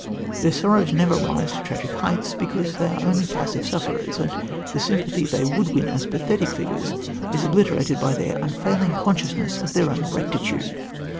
Their sorrows never rise to tragic heights, because they are only passive sufferers, and the sympathy they would win as pathetic figures is obliterated by their unfailing consciousness of their own rectitude.